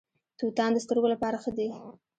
توتان د سترګو لپاره ښه دي.